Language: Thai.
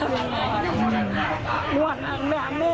หนูไม่รู้ว่าหนูทำยังไง